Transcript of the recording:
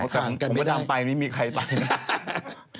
ผมก็จ้างไปไม่มีใครตายนะ